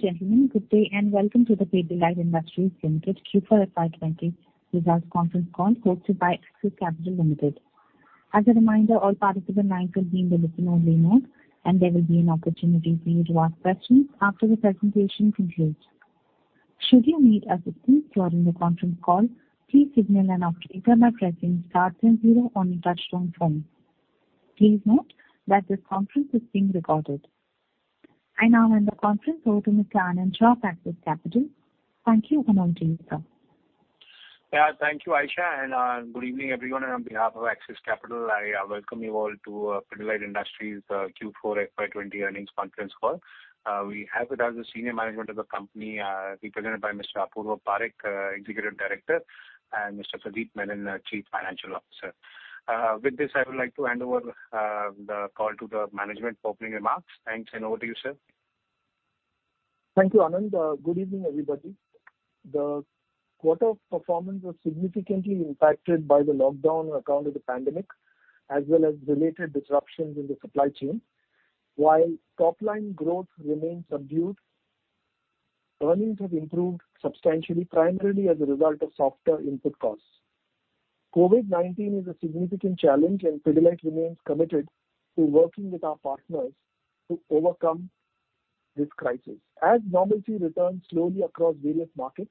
Ladies and gentlemen, good day and welcome to the Pidilite Industries Limited Q4 FY20 results conference call hosted by Axis Capital Limited. As a reminder, all participants will be in the listen-only mode, there will be an opportunity for you to ask questions after the presentation concludes. Should you need assistance during the conference call, please signal an operator by pressing star 0 on your touchtone phone. Please note that this conference is being recorded. I now hand the conference over to Mr. Anand Shah of Axis Capital. Thank you. On to you, sir. Thank you, Ayesha. Good evening, everyone. On behalf of Axis Capital, I welcome you all to Pidilite Industries' Q4 FY20 earnings conference call. We have with us the senior management of the company represented by Mr. Apurva Parekh, Executive Director, and Mr. Pradip Menon, Chief Financial Officer. With this, I would like to hand over the call to the management for opening remarks. Thanks. Over to you, sir. Thank you, Anand. Good evening, everybody. The quarter performance was significantly impacted by the lockdown on account of the pandemic as well as related disruptions in the supply chain. While top-line growth remains subdued, earnings have improved substantially, primarily as a result of softer input costs. COVID-19 is a significant challenge. Pidilite remains committed to working with our partners to overcome this crisis. As normalcy returns slowly across various markets,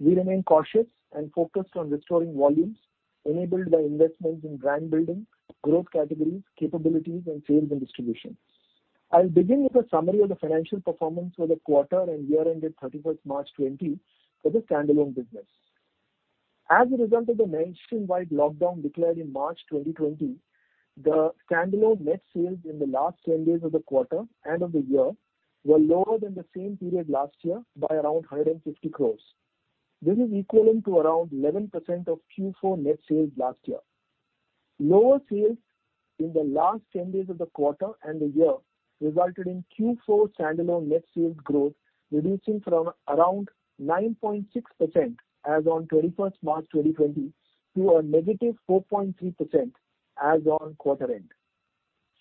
we remain cautious and focused on restoring volumes enabled by investments in brand building, growth categories, capabilities, and sales and distribution. I'll begin with a summary of the financial performance for the quarter and year ended 31st March 2020 for the standalone business. As a result of the nationwide lockdown declared in March 2020, the standalone net sales in the last 10 days of the quarter and of the year were lower than the same period last year by around 150 crores. This is equivalent to around 11% of Q4 net sales last year. Lower sales in the last 10 days of the quarter and the year resulted in Q4 standalone net sales growth reducing from around 9.6% as on 21st March 2020 to a negative 4.3% as on quarter end.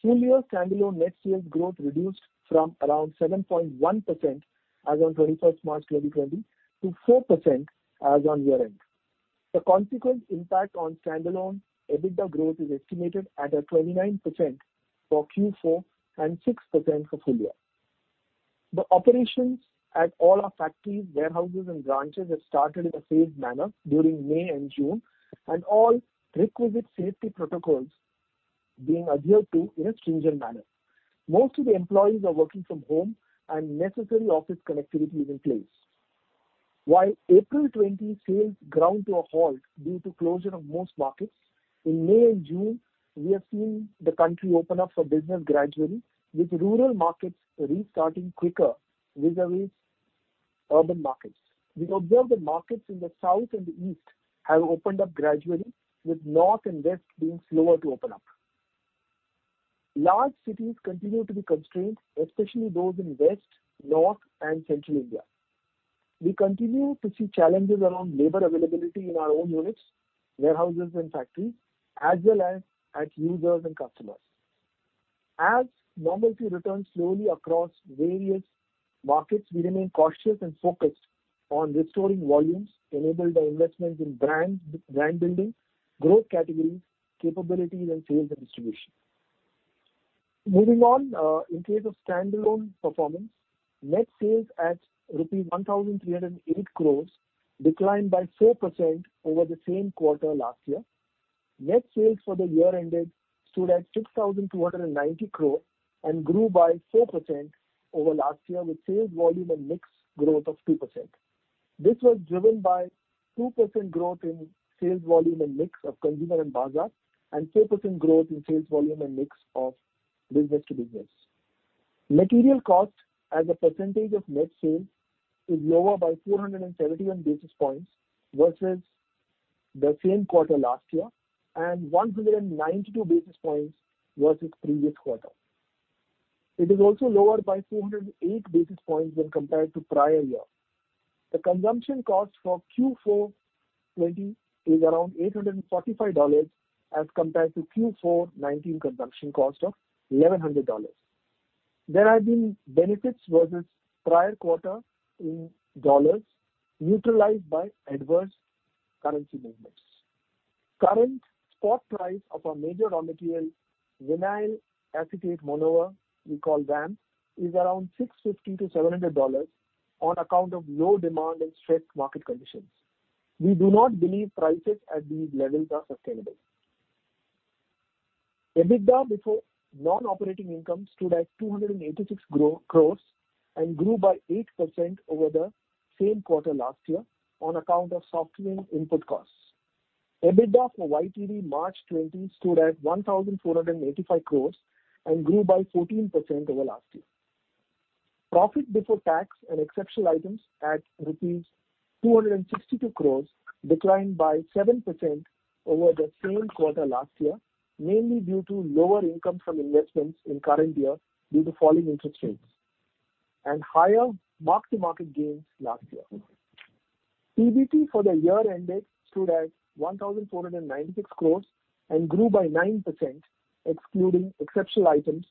Full-year standalone net sales growth reduced from around 7.1% as on 21st March 2020 to 4% as on year end. The consequent impact on standalone EBITDA growth is estimated at 29% for Q4 and 6% for full-year. The operations at all our factories, warehouses, and branches have started in a phased manner during May and June, and all requisite safety protocols being adhered to in a stringent manner. Most of the employees are working from home and necessary office connectivity is in place. While April 2020 sales ground to a halt due to closure of most markets, in May and June, we have seen the country open up for business gradually with rural markets restarting quicker vis-à-vis urban markets. We observe the markets in the south and the east have opened up gradually, with north and west being slower to open up. Large cities continue to be constrained, especially those in west, north, and central India. We continue to see challenges around labor availability in our own units, warehouses, and factories, as well as at users and customers. As normalcy returns slowly across various markets, we remain cautious and focused on restoring volumes enabled by investments in brand building, growth categories, capabilities, and sales and distribution. In case of standalone performance, net sales at rupees 1,308 crore declined by 4% over the same quarter last year. Net sales for the year ended stood at 6,290 crore and grew by 4% over last year with sales volume and mix growth of 2%. This was driven by 2% growth in sales volume and mix of Consumer & Bazaar and 4% growth in sales volume and mix of B2B. Material cost as a percentage of net sales is lower by 471 basis points versus the same quarter last year and 192 basis points versus previous quarter. It is also lower by 408 basis points when compared to prior year. The consumption cost for Q4 2020 is around $845 as compared to Q4 2019 consumption cost of $1,100. There have been benefits versus prior quarter in USD neutralized by adverse currency movements. Current spot price of our major raw material, vinyl acetate monomer, we call VAM, is around $650-$700 on account of low demand and strict market conditions. We do not believe prices at these levels are sustainable. EBITDA before non-operating income stood at 286 crore and grew by 8% over the same quarter last year on account of softening input costs. EBITDA for YTD March 2020 stood at 1,485 crore and grew by 14% over last year. Profit before tax and exceptional items at rupees 262 crore declined by 7% over the same quarter last year, mainly due to lower income from investments in current year due to falling interest rates and higher mark-to-market gains last year. PBT for the year ended stood at 1,496 crore and grew by 9%, excluding exceptional items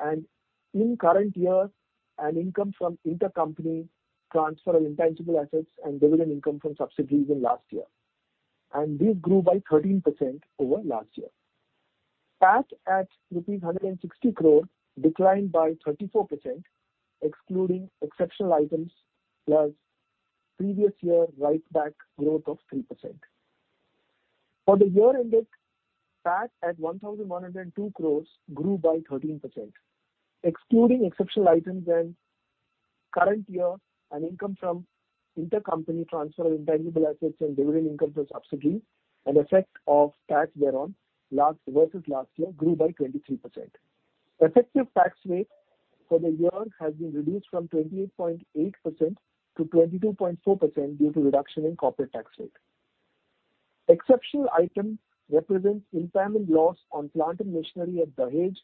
and in current year an income from intercompany transfer of intangible assets and dividend income from subsidiaries in last year. This grew by 13% over last year. PAT at rupees 160 crore declined by 34%, excluding exceptional items plus previous year write back growth of 3%. For the year ended, PAT at 1,102 crore grew by 13%. Excluding exceptional items and current year and income from intercompany transfer of intangible assets and dividend income from subsidiaries and effect of tax thereon versus last year grew by 23%. Effective tax rate for the year has been reduced from 28.8% to 22.4% due to reduction in corporate tax rate. Exceptional item represents impairment loss on plant and machinery at Dahej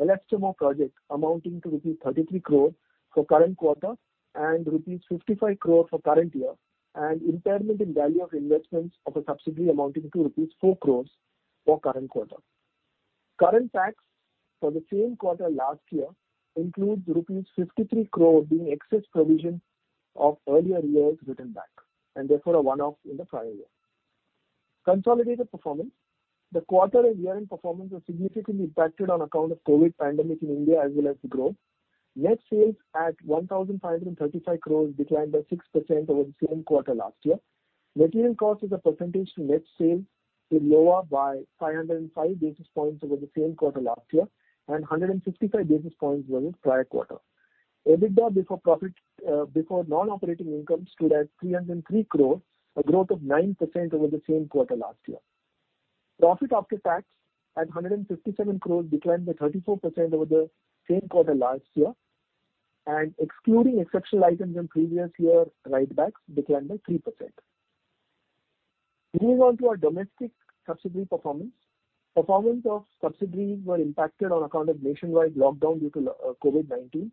LFCMO project amounting to rupees 33 crore for current quarter and rupees 55 crore for current year, and impairment in value of investments of a subsidiary amounting to rupees 4 crore for current quarter. Current tax for the same quarter last year includes rupees 53 crore being excess provision of earlier years written back, and therefore a one-off in the prior year. Consolidated performance. The quarter and year-end performance were significantly impacted on account of COVID-19 pandemic in India as well as the globe. Net sales at 1,535 crore declined by 6% over the same quarter last year. Material cost as a percentage to net sales is lower by 505 basis points over the same quarter last year and 155 basis points over the prior quarter. EBITDA before non-operating income stood at 303 crore, a growth of 9% over the same quarter last year. Profit after tax at 157 crore declined by 34% over the same quarter last year, and excluding exceptional items and previous year write backs declined by 3%. Moving on to our domestic subsidiary performance. Performance of subsidiaries were impacted on account of nationwide lockdown due to COVID-19.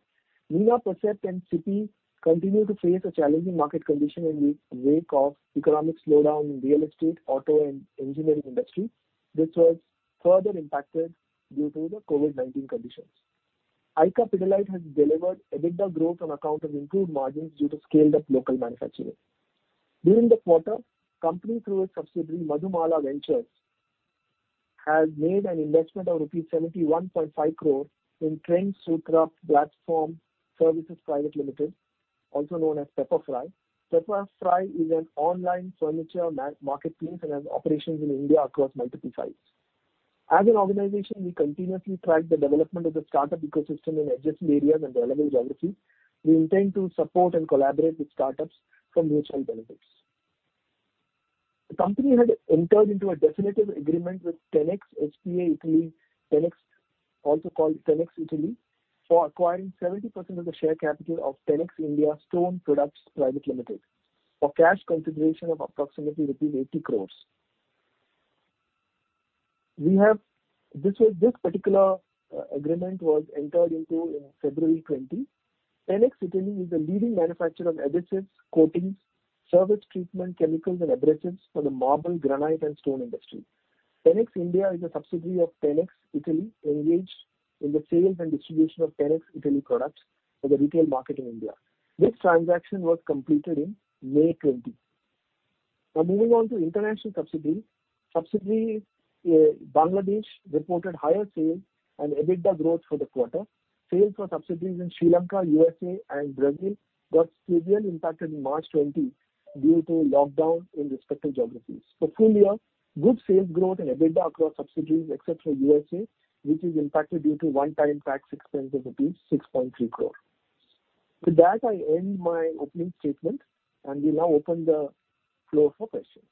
Nina, Percept and Cipy continue to face a challenging market condition in the wake of economic slowdown in real estate, auto, and engineering industry, which was further impacted due to the COVID-19 conditions. ICA Pidilite has delivered EBITDA growth on account of improved margins due to scaled-up local manufacturing. During the quarter, company through its subsidiary Madhumala Ventures has made an investment of 71.5 crore rupees in Trendsville Craft Platform Services Private Limited, also known as Pepperfry. Pepperfry is an online furniture marketplace and has operations in India across multiple sites. As an organization, we continuously track the development of the startup ecosystem in adjacent areas and relevant geographies. We intend to support and collaborate with startups for mutual benefits. The company had entered into a definitive agreement with Tenax Italy, also called Tenax Italy, for acquiring 70% of the share capital of Tenax India Stone Products Private Limited for cash consideration of approximately rupees 80 crore. This particular agreement was entered into in February 2020. Tenax Italy is a leading manufacturer of additives, coatings, service treatment chemicals and abrasives for the marble, granite, and stone industry. Tenax India is a subsidiary of Tenax Italy, engaged in the sales and distribution of Tenax Italy products for the retail market in India. This transaction was completed in May 2020. Now moving on to international subsidiaries. Subsidiaries Bangladesh reported higher sales and EBITDA growth for the quarter. Sales for subsidiaries in Sri Lanka, USA and Brazil got severely impacted in March 2020 due to lockdown in respective geographies. For full year, good sales growth and EBITDA across subsidiaries except for USA, which is impacted due to one-time tax expense of rupees 6.3 crore. With that, I end my opening statement, and we now open the floor for questions.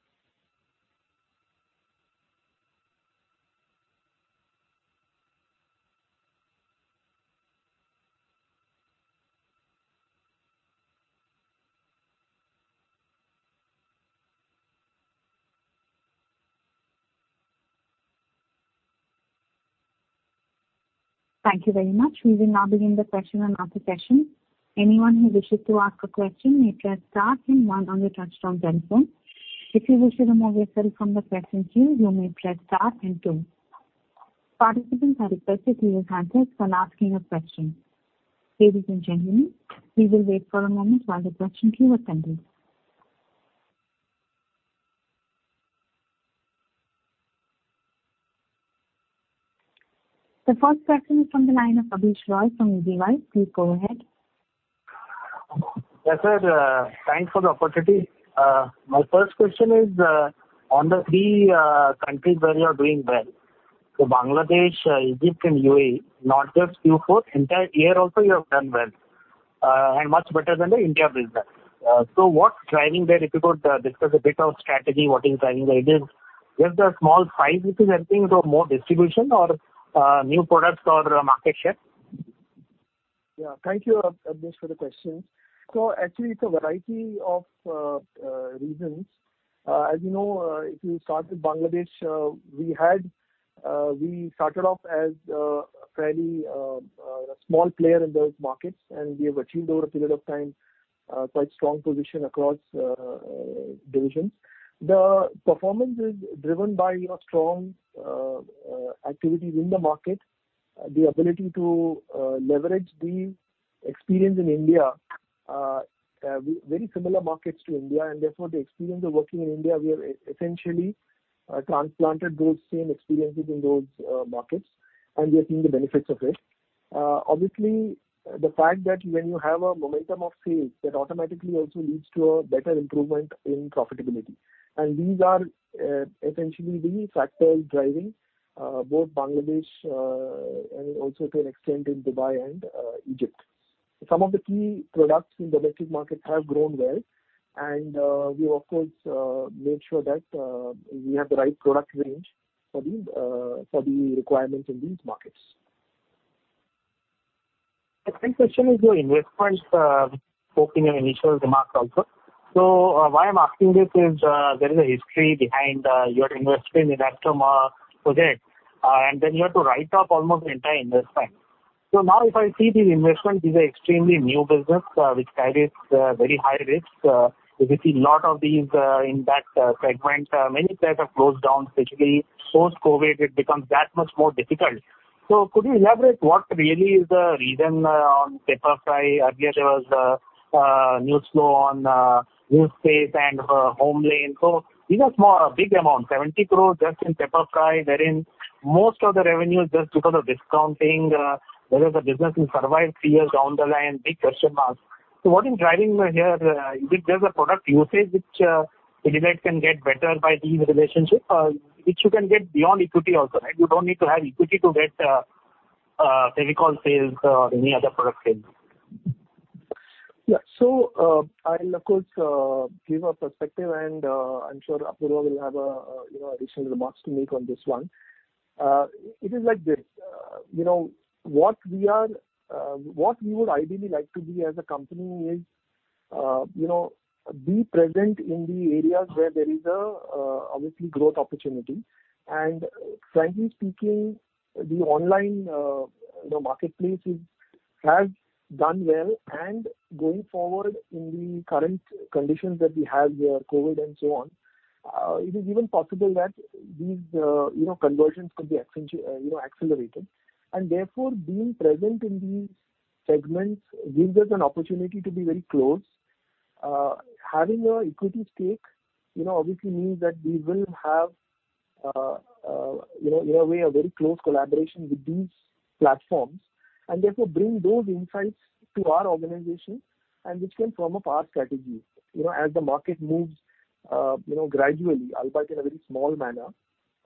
Thank you very much. We will now begin the question and answer session. Anyone who wishes to ask a question may press star then one on the touchtone telephone. If you wish to remove yourself from the question queue, you may press star then two. Participants are requested to use context when asking a question. Ladies and gentlemen, we will wait for a moment while the question queue is tended. The first question is from the line of Abneesh Roy from Edelweiss. Please go ahead. Yes, sir. Thanks for the opportunity. My first question is on the three countries where you are doing well. Bangladesh, Egypt and UAE, not just Q4, entire year also you have done well, and much better than the India business. What's driving there? If you could discuss a bit of strategy, what is driving there? It is just a small size, which is, I think, of more distribution or new products or market share? Yeah. Thank you, Abneesh, for the question. Actually it's a variety of reasons. As you know, if you start with Bangladesh, we started off as a fairly small player in those markets, and we have achieved over a period of time quite strong position across divisions. The performance is driven by strong activities in the market, the ability to leverage the experience in India. Very similar markets to India, and therefore the experience of working in India, we have essentially transplanted those same experiences in those markets, and we are seeing the benefits of it. Obviously, the fact that when you have a momentum of sales, that automatically also leads to a better improvement in profitability. These are essentially the factors driving both Bangladesh and also to an extent in Dubai and Egypt. Some of the key products in the adhesives market have grown well. We of course, made sure that we have the right product range for the requirements in these markets. The third question is your investments spoken in your initial remarks also. Why I'm asking this is, there is a history behind your investment in Acron project, and then you have to write off almost the entire investment. Now if I see these investments, these are extremely new business which carries very high risk. If you see lot of these in that segment, many players have closed down, especially post-COVID, it becomes that much more difficult. Could you elaborate what really is the reason on Pepperfry? Earlier there was news flow on Livspace and HomeLane. These are big amounts, 71.5 crores just in Pepperfry, wherein most of the revenue is just because of discounting. Whether the business will survive three years down the line, big question marks. What is driving here? Is it just the product usage which Pidilite can get better by these relationships, which you can get beyond equity also, right? You don't need to have equity to get technical sales or any other product sales. I'll of course give a perspective and I'm sure Apurva will have additional remarks to make on this one. It is like this. What we would ideally like to be as a company is be present in the areas where there is obviously growth opportunity. Frankly speaking, the online marketplace has done well, and going forward in the current conditions that we have here, COVID and so on, it is even possible that these conversions could be accelerated. Therefore, being present in these segments gives us an opportunity to be very close. Having an equity stake obviously means that we will have, in a way, a very close collaboration with these platforms, and therefore bring those insights to our organization and which can form up our strategy. As the market moves gradually, albeit in a very small manner,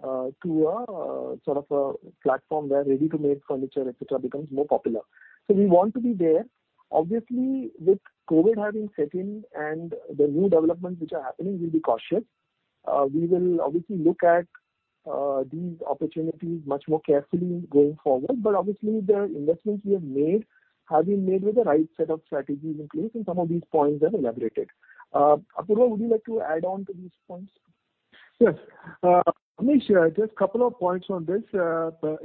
to a sort of a platform where ready-to-made furniture, et cetera, becomes more popular. We want to be there. Obviously, with COVID having set in and the new developments which are happening, we'll be cautious. We will obviously look at these opportunities much more carefully going forward. Obviously, the investments we have made have been made with the right set of strategies in place, and some of these points are elaborated. Apurva, would you like to add on to these points? Yes. Abneesh, just a couple of points on this. The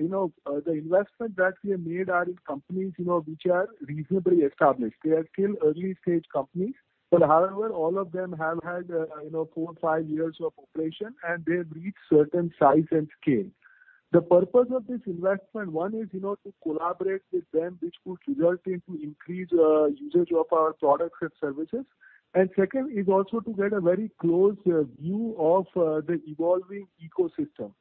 investment that we have made are in companies which are reasonably established. They are still early-stage companies. However, all of them have had four, five years of operation, and they have reached certain size and scale. The purpose of this investment, one is to collaborate with them, which could result into increased usage of our products and services. Second is also to get a very close view of the evolving ecosystem.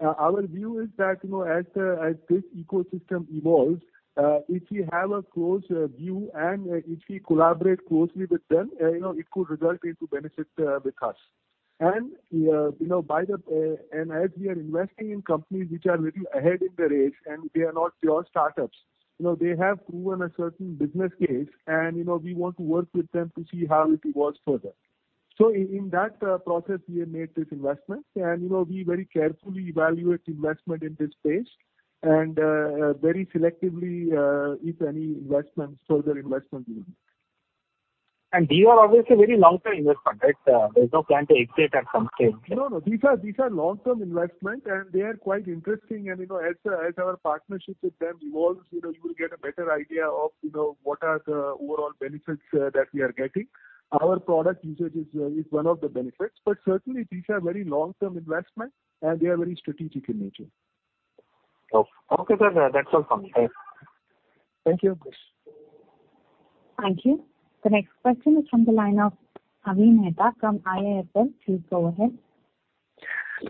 Our view is that, as this ecosystem evolves, if we have a close view and if we collaborate closely with them, it could result into benefit with us. As we are investing in companies which are little ahead in the race, and they are not pure startups. They have proven a certain business case, and we want to work with them to see how it evolves further. In that process, we have made this investment, and we very carefully evaluate investment in this space, and very selectively, if any further investments will be made. These are obviously very long-term investment, right? There's no plan to exit at some stage. No, no. These are long-term investment, and they are quite interesting. As our partnership with them evolves, you will get a better idea of what are the overall benefits that we are getting. Our product usage is one of the benefits. Certainly, these are very long-term investment, and they are very strategic in nature. Okay, sir. That's all from me. Thank you, Abneesh. Thank you. The next question is from the line of Avi Mehta from IIFL. Please go ahead.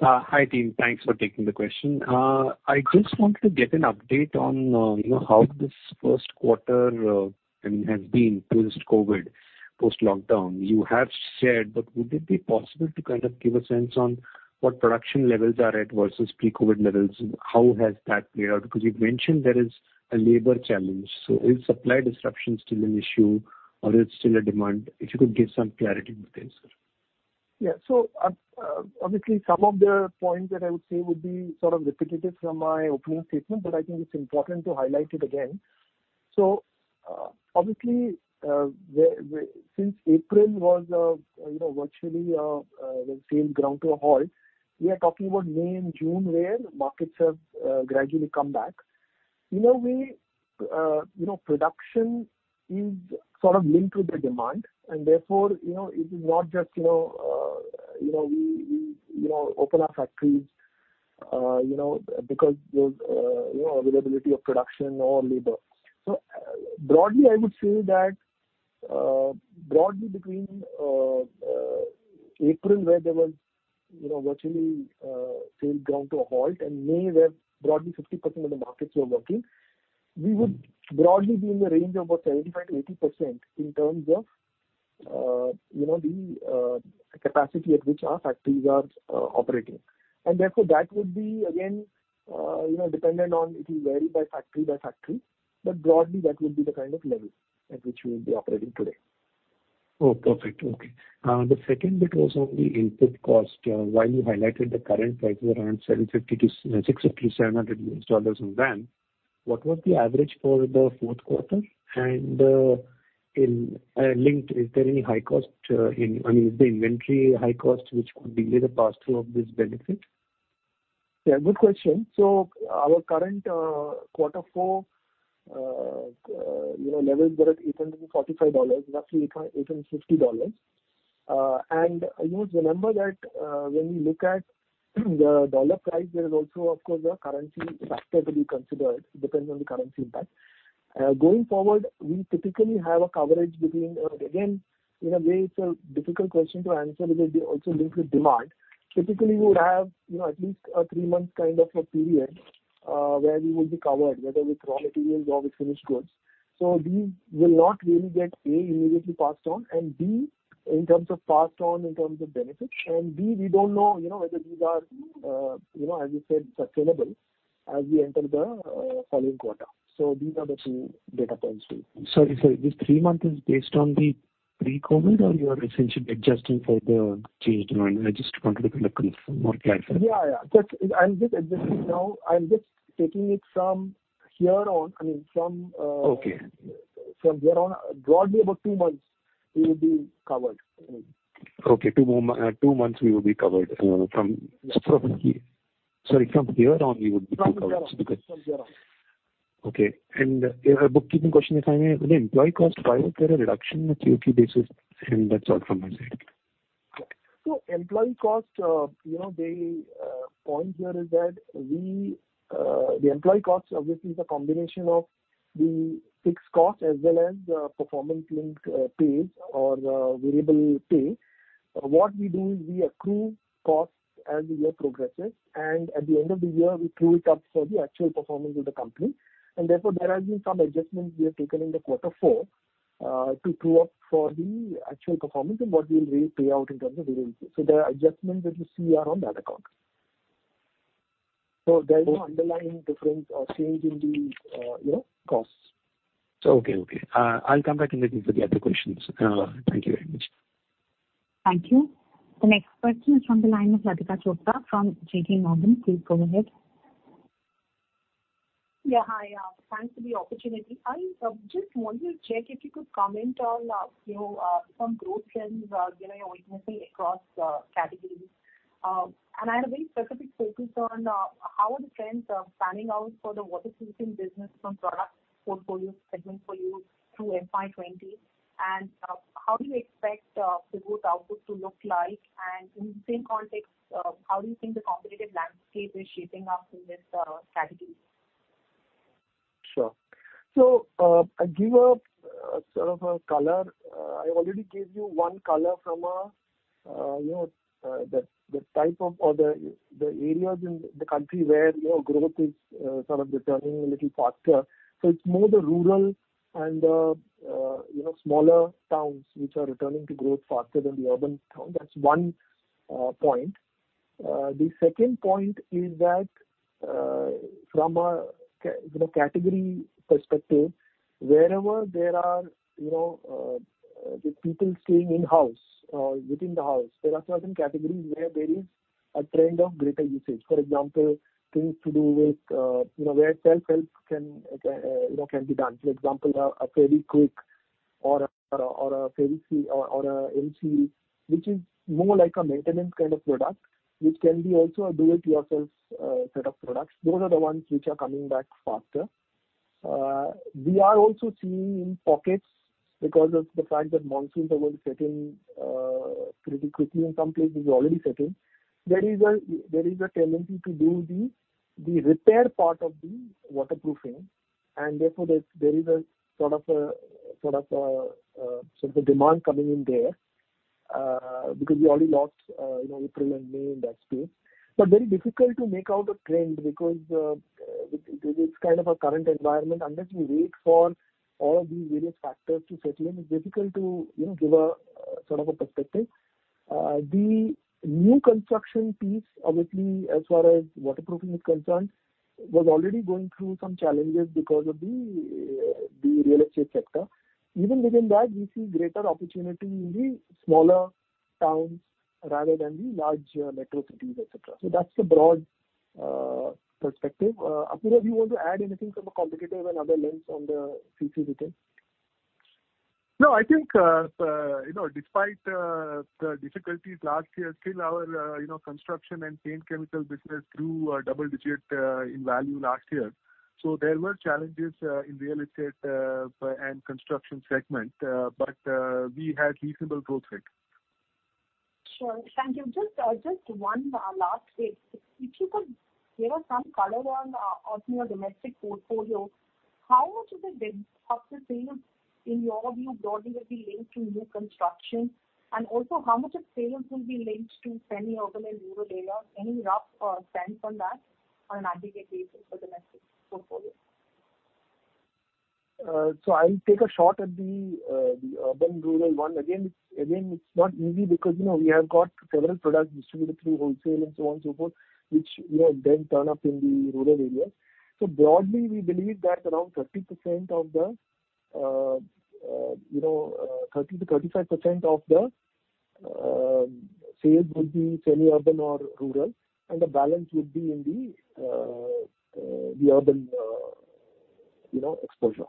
Hi, team. Thanks for taking the question. I just wanted to get an update on how this first quarter has been post-COVID, post-lockdown. You have said, but would it be possible to kind of give a sense on what production levels are at versus pre-COVID levels? How has that played out? You've mentioned there is a labor challenge. Is supply disruption still an issue or is still a demand? If you could give some clarity with this, sir. Obviously, some of the points that I would say would be sort of repetitive from my opening statement, but I think it's important to highlight it again. Obviously, since April was virtually came ground to a halt, we are talking about May and June, where markets have gradually come back. Production is sort of linked with the demand, and therefore, it is not just we open our factories because there's availability of production or labor. Broadly, I would say that broadly between April, where there was virtually sales ground to a halt and May, where broadly 50% of the markets were working, we would broadly be in the range of about 75%-80% in terms of the capacity at which our factories are operating. Therefore, that would be again dependent on it will vary by factory, but broadly, that would be the kind of level at which we would be operating today. Oh, perfect. Okay. The second bit was on the input cost. While you highlighted the current price were around $650-$700 in VAM, what was the average for the fourth quarter? Linked, is there any high cost, I mean, is the inventory high cost, which could delay the pass-through of this benefit? Yeah, good question. Our current quarter four levels were at $845, roughly $850. You must remember that when we look at the dollar price, there is also, of course, the currency factor to be considered. Depends on the currency impact. Going forward, we typically have a coverage. Again, in a way, it's a difficult question to answer because it's also linked with demand. Typically, we would have at least a three-month kind of a period where we would be covered, whether with raw materials or with finished goods. These will not really get, A, immediately passed on, and B, in terms of passed on in terms of benefit. B, we don't know whether these are, as you said, sustainable as we enter the following quarter. These are the two data points. Sorry, sir, this three months is based on the pre-COVID or you are essentially adjusting for the changed demand? I just wanted a little more clarity. Yeah. I'm just adjusting now. I'm just taking it from here on. Okay. From here on, broadly about two months we will be covered. Okay. Two months we will be covered. Yes. Sorry, from here on we would be covered. From here on. Okay. A bookkeeping question, if I may. The employee cost, why was there a reduction on a QOQ basis? That's all from my side. Employee cost the point here is that the employee cost obviously is a combination of the fixed cost as well as the performance-linked pays or variable pay. What we do is we accrue costs as the year progresses, and at the end of the year, we true it up for the actual performance of the company. Therefore, there has been some adjustments we have taken in the quarter four to true-up for the actual performance and what we will really pay out in terms of variables. The adjustments that you see are on that account. There is no underlying difference or change in the costs. Okay. I will come back in a little bit with the other questions. Thank you very much. Thank you. The next question is from the line of Latika Chopra from J.P. Morgan. Please go ahead. Yeah. Hi. Thanks for the opportunity. I just wanted to check if you could comment on some growth trends you are witnessing across categories. I had a very specific focus on how are the trends panning out for the waterproofing business from product portfolio segment for you through FY 2020, and how do you expect the growth output to look like? In the same context, how do you think the competitive landscape is shaping up in this category? Sure. I give a sort of a color. I already gave you one color from the type of other areas in the country where growth is sort of returning a little faster. It is more the rural and the smaller towns which are returning to growth faster than the urban town. That is one point. The second point is that from a category perspective, wherever there are the people staying in-house or within the house, there are certain categories where there is a trend of greater usage. For example, things to do with where self-help can be done. For example, a Fevikwik or a Fevicryl or a M-Seal, which is more like a maintenance kind of product, which can be also a do-it-yourself set of products. Those are the ones which are coming back faster. We are also seeing in pockets because of the fact that monsoons are going to set in pretty quickly. In some places, it's already set in. There is a tendency to do the repair part of the waterproofing, and therefore there is a sort of a demand coming in there because we already lost April and May in that space. Very difficult to make out a trend because it's kind of a current environment. Unless we wait for all of these various factors to settle in, it's difficult to give a sort of a perspective. The new construction piece, obviously, as far as waterproofing is concerned, was already going through some challenges because of the real estate sector. Even within that, we see greater opportunity in the smaller towns rather than the large metro cities, et cetera. That's the broad perspective. Apurva, do you want to add anything from a competitive and other lens on the future retail? I think despite the difficulties last year, still our construction and paint chemical business grew double-digit in value last year. There were challenges in real estate and construction segment, but we had reasonable growth rate. Sure. Thank you. Just one last bit. If you could give us some color on your domestic portfolio, how much of the sales, in your view, broadly will be linked to new construction? Also how much of sales will be linked to semi-urban and rural areas? Any rough sense on that on an aggregate basis for the domestic portfolio? I'll take a shot at the urban rural one. Again, it's not easy because we have got several products distributed through wholesale and so on and so forth, which then turn up in the rural areas. Broadly, we believe that around 30%-35% of the sales will be semi-urban or rural, and the balance would be in the urban exposure.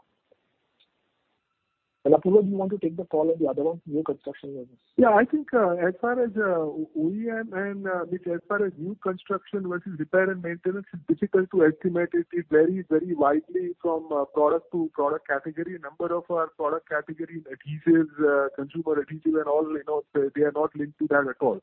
Apurva, do you want to take the call on the other one, new construction versus- I think as far as OEM and as far as new construction versus repair and maintenance, it's difficult to estimate. It varies very widely from product to product category. A number of our product category adhesives, consumer adhesives and all, they are not linked to that at all.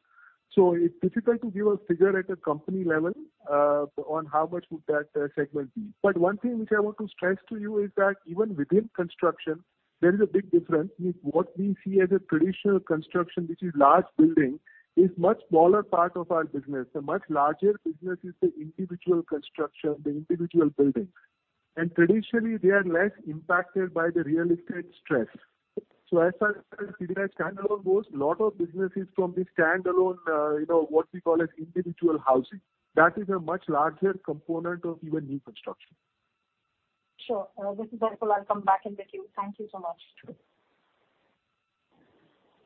It's difficult to give a figure at a company level on how much would that segment be. One thing which I want to stress to you is that even within construction, there is a big difference with what we see as a traditional construction, which is large building, is much smaller part of our business. The much larger business is the individual construction, the individual buildings. Traditionally, they are less impacted by the real estate stress. As far as standalone goes, lot of business is from the standalone, what we call as individual housing. That is a much larger component of even new construction. Sure. This is useful. I'll come back in the queue. Thank you so much.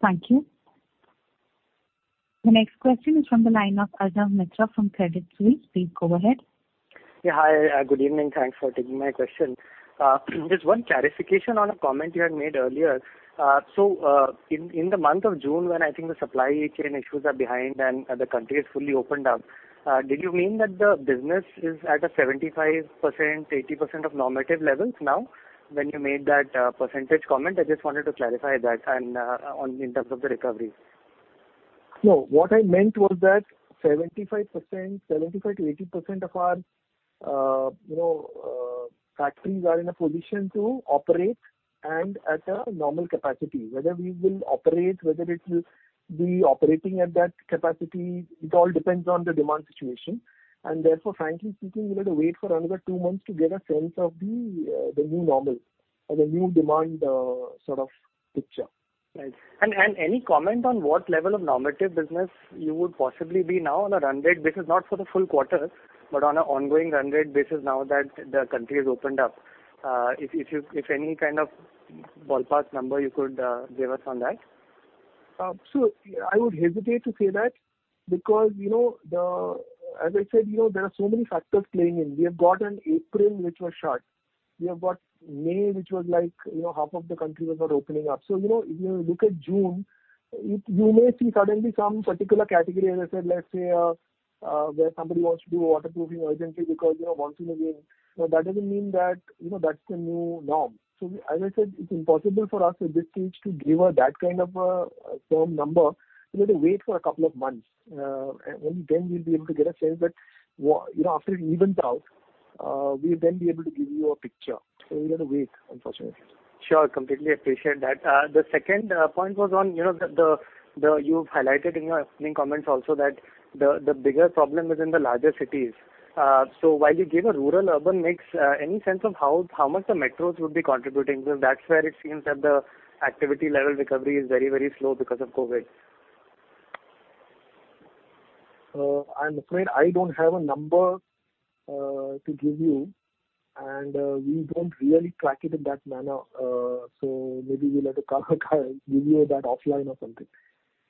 Thank you. The next question is from the line of Ajit Mitra from Credit Suisse. Please go ahead. Yeah, hi. Good evening. Thanks for taking my question. Just one clarification on a comment you had made earlier. In the month of June, when I think the supply chain issues are behind and the country is fully opened up, did you mean that the business is at a 75%, 80% of normative levels now? When you made that percentage comment, I just wanted to clarify that in terms of the recovery. No. What I meant was that 75% to 80% of our factories are in a position to operate and at a normal capacity. Whether we will operate, whether it will be operating at that capacity, it all depends on the demand situation. Therefore, frankly speaking, we'll have to wait for another two months to get a sense of the new normal or the new demand sort of picture. Right. Any comment on what level of normative business you would possibly be now on a run rate basis, not for the full quarter, but on an ongoing run rate basis now that the country has opened up? If any kind of ballpark number you could give us on that. I would hesitate to say that because as I said, there are so many factors playing in. We have got an April which was shut. We have got May, which was like half of the country was not opening up. If you look at June, you may see suddenly some particular category, as I said, let's say where somebody wants to do waterproofing urgently because once in a year. That doesn't mean that that's the new norm. As I said, it's impossible for us at this stage to give that kind of a firm number. We've got to wait for a couple of months. Only then we'll be able to get a sense that after it evens out, we'll then be able to give you a picture. We've got to wait, unfortunately. Sure. Completely appreciate that. The second point was on, you've highlighted in your opening comments also that the bigger problem is in the larger cities. While you give a rural-urban mix, any sense of how much the metros would be contributing? Because that's where it seems that the activity level recovery is very, very slow because of COVID-19. I'm afraid I don't have a number to give you, and we don't really track it in that manner. Maybe we'll have to come back and give you that offline or something.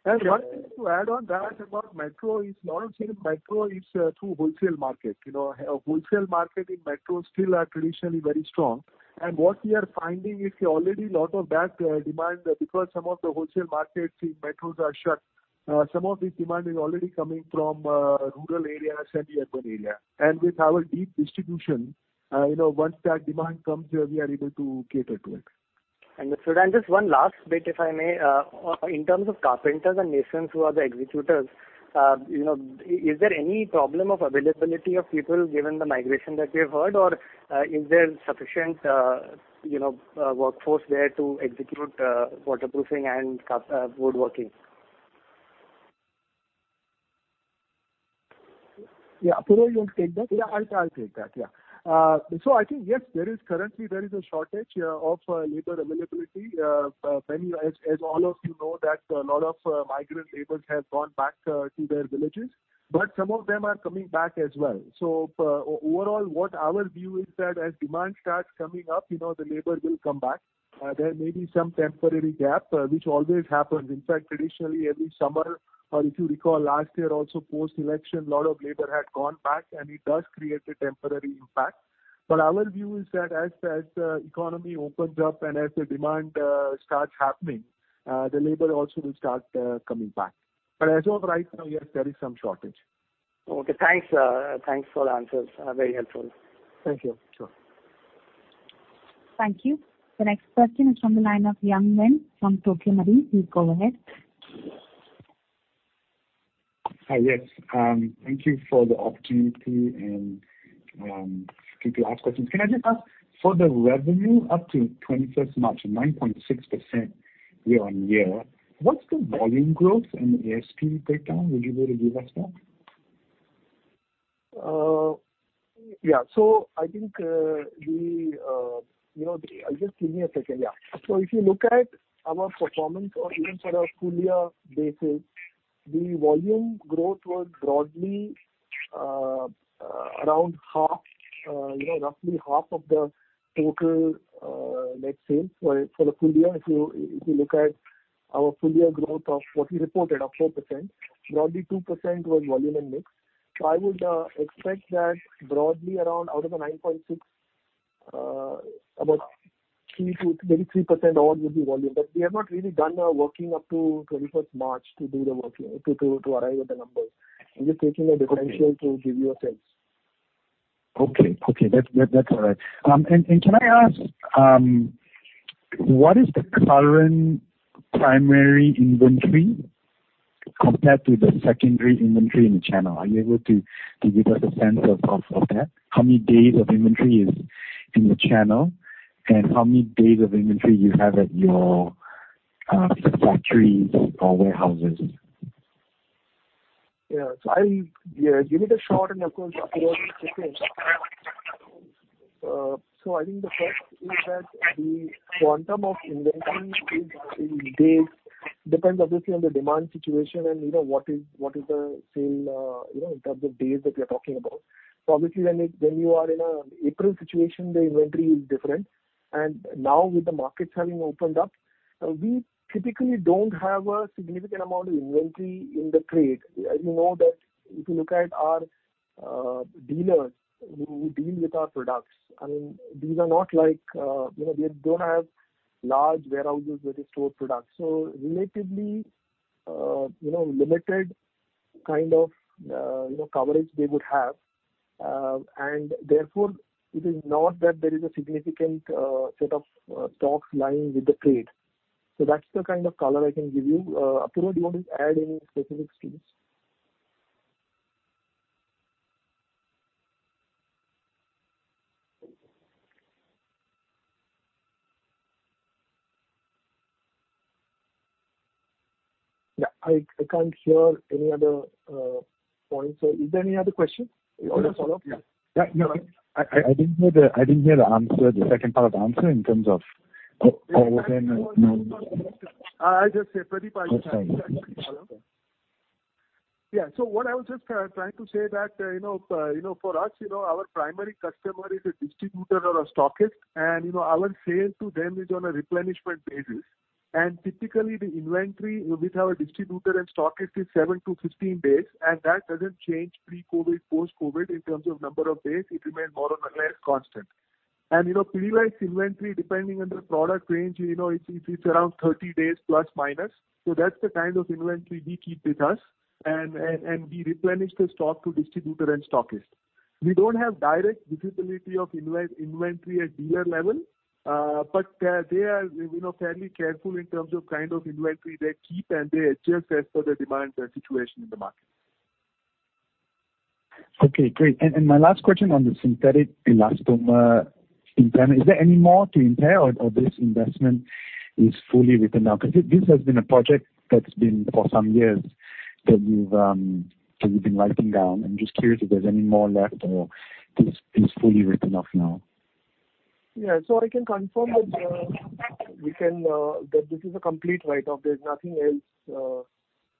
One thing to add on that about metro is, a lot of times metro is through wholesale market. Wholesale market in metros still are traditionally very strong. What we are finding is already a lot of that demand, because some of the wholesale markets in metros are shut, some of this demand is already coming from rural areas, semi-urban area. With our deep distribution, once that demand comes, we are able to cater to it. Understood. Just one last bit, if I may. In terms of carpenters and masons who are the executors, is there any problem of availability of people given the migration that we have heard? Or is there sufficient workforce there to execute waterproofing and woodworking? Yeah. Apurva, you want to take that? Yeah, I'll take that. I think, yes, currently there is a shortage of labor availability. As all of you know that a lot of migrant labor have gone back to their villages, but some of them are coming back as well. Overall, what our view is that as demand starts coming up, the labor will come back. There may be some temporary gap, which always happens. In fact, traditionally every summer or if you recall last year also post-election, a lot of labor had gone back, it does create a temporary impact. Our view is that as the economy opens up and as the demand starts happening, the labor also will start coming back. As of right now, yes, there is some shortage. Okay, thanks. Thanks for the answers, very helpful. Thank you. Sure. Thank you. The next question is from the line of Son Heung-min from Tokio Marine. Please go ahead. Hi. Yes. Thank you for the opportunity to ask questions. Can I just ask, for the revenue up to 21st March, 9.6% year-over-year, what's the volume growth and ASP breakdown? Would you be able to give us that? Yeah. Just give me a second. Yeah. If you look at our performance or even for a full-year basis, the volume growth was broadly around roughly half of the total net sales for the full year. If you look at our full-year growth of what we reported of 4%, broadly 2% was volume and mix. I would expect that broadly around out of the 9.6%, about maybe 3% odd would be volume. We have not really done our working up to 21st March to do the working, to arrive at the numbers. I'm just taking a defensible to give you a sense. Okay. That's all right. Can I ask, what is the current primary inventory compared to the secondary inventory in the channel? Are you able to give us a sense of that? How many days of inventory is in the channel and how many days of inventory you have at your factories or warehouses? Yeah. Give me the short and, of course, afterwards we can check. I think the first is that the quantum of inventory is in days depends obviously on the demand situation and what is the sale, in terms of days that we're talking about. Obviously when you are in an April situation, the inventory is different. Now with the markets having opened up, we typically don't have a significant amount of inventory in the trade. You know that if you look at our dealers who deal with our products, these don't have large warehouses where they store products. Relatively, limited kind of coverage they would have. Therefore it is not that there is a significant set of stocks lying with the trade. That's the kind of color I can give you. Apurva, do you want to add any specifics to this? Yeah. I can't hear any other points. Is there any other question or follow-up? Yeah. No, I didn't hear the second part of the answer in terms of- I just said, Pradip, I can try and check the follow-up. Yeah. What I was just trying to say that, for us, our primary customer is a distributor or a stockist, and our sales to them is on a replenishment basis. Typically, the inventory with our distributor and stockist is 7-15 days, and that doesn't change pre-COVID, post-COVID in terms of number of days. It remains more or less constant. Pidilite's inventory, depending on the product range, it's around 30 days plus, minus. That's the kind of inventory we keep with us. We replenish the stock to distributor and stockist. We don't have direct visibility of inventory at dealer level. They are fairly careful in terms of kind of inventory they keep, and they adjust as per the demand and situation in the market. Okay, great. My last question on the synthetic elastomer impairment, is there any more to impair or this investment is fully written now? This has been a project that's been for some years that you've been writing down. I'm just curious if there's any more left or this is fully written off now. Yeah. I can confirm that this is a complete write-off. There's nothing else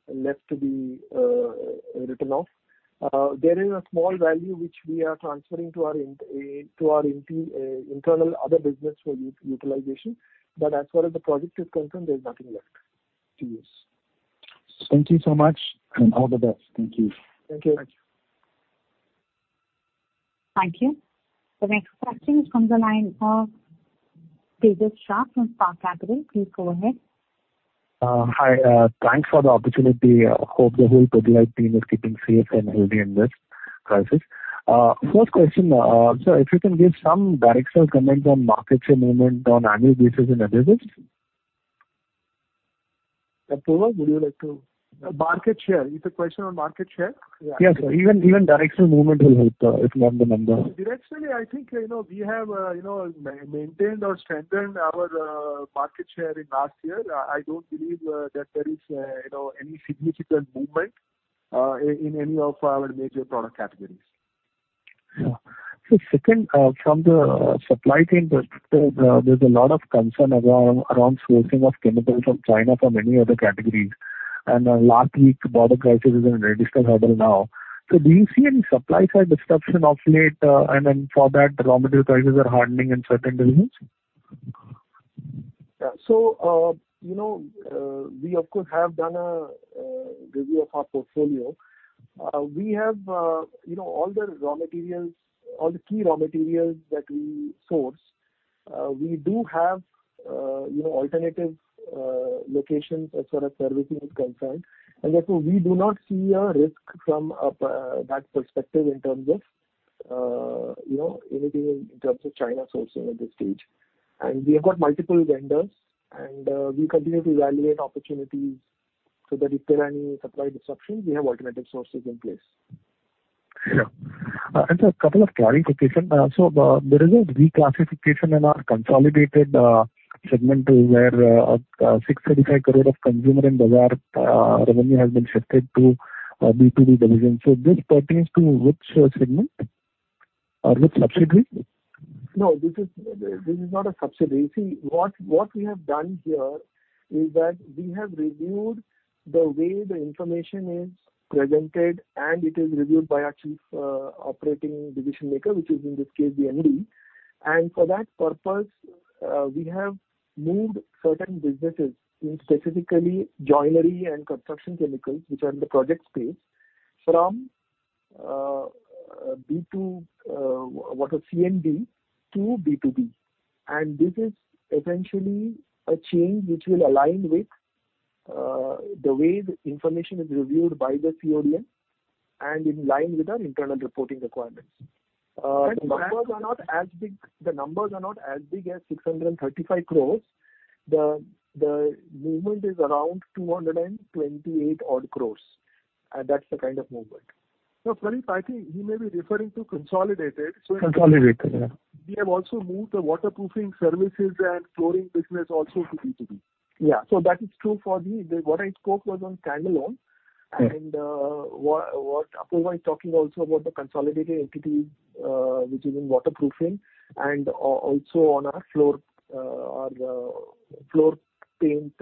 left to be written off. There is a small value which we are transferring to our internal other business for utilization. As far as the project is concerned, there's nothing left to use. Thank you so much. All the best. Thank you. Thank you. Thank you. The next question is from the line of Tejas Shah from Spark Capital. Please go ahead. Hi. Thanks for the opportunity. Hope the whole Pidilite team is keeping safe and healthy in this crisis. First question, sir, if you can give some directional comment on market share movement on annual basis in adhesives. Apurva, Market share. Is the question on market share? Yes. Even directional movement will help if you have the number. Directionally, I think, we have maintained or strengthened our market share in last year. I don't believe that there is any significant movement in any of our major product categories. Yeah. Second, from the supply chain perspective, there's a lot of concern around sourcing of chemicals from China for many other categories and last week's border crisis is a very discussed hurdle now. Do you see any supply side disruption of late, and then for that raw material prices are hardening in certain regions? We, of course, have done a review of our portfolio. All the key raw materials that we source, we do have alternative locations as far as servicing is concerned. Therefore, we do not see a risk from that perspective in terms of anything in terms of China sourcing at this stage. We have got multiple vendors, and we continue to evaluate opportunities so that if there are any supply disruptions, we have alternative sources in place. Sir, a couple of clarifications. There is a reclassification in our consolidated segment where 635 crore of Consumer & Bazaar revenue has been shifted to B2B division. This pertains to which segment or which subsidiary? No, this is not a subsidiary. You see, what we have done here is that we have reviewed the way the information is presented, and it is reviewed by our Chief Operating Decision Maker, which is in this case the MD. For that purpose, we have moved certain businesses, specifically joinery and construction chemicals, which are in the project space, from C&B to B2B. This is essentially a change which will align with the way the information is reviewed by the CODM and in line with our internal reporting requirements. The numbers are not as big as 635 crore. The movement is around 228 odd crore, and that's the kind of movement. Manish, I think he may be referring to consolidated. Consolidated, yeah. We have also moved the waterproofing services and flooring business also to B2B. Yeah. That is true for me. What I spoke was on standalone and what Apurva is talking also about the consolidated entity, which is in waterproofing and also on our floor paint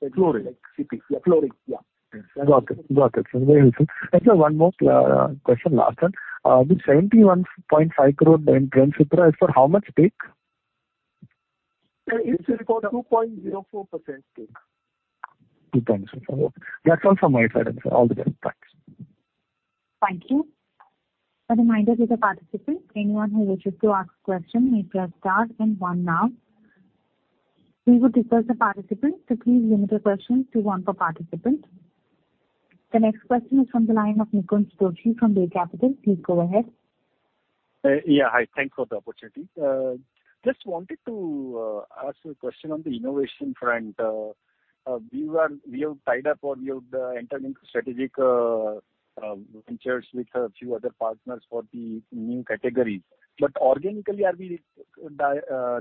segment. Flooring. Yeah, flooring. Yeah. Got it. Very helpful. Sir, one more question, last one. This 71.5 crore in Transpara is for how much stake? It's for 2.04% stake. 2.04%. That's all from my side. All the best. Thanks. Thank you. A reminder to the participants, anyone who wishes to ask a question, hit your star then 1 now. We would disperse the participants to please limit the question to 1 per participant. The next question is from the line of Nikunj Doshi from Bay Capital. Please go ahead. Hi. Thanks for the opportunity. Just wanted to ask you a question on the innovation front. We have tied up or we have entered into strategic ventures with a few other partners for the new categories. Organically, are we